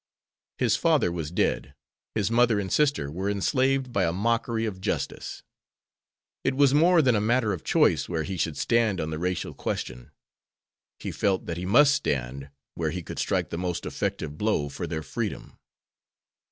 His father was dead. His mother and sister were enslaved by a mockery of justice. It was more than a matter of choice where he should stand on the racial question. He felt that he must stand where he could strike the most effective blow for their freedom.